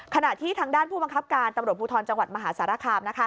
ขณะที่ทางด้านผู้บังคับการตำรวจภูทรจังหวัดมหาสารคาม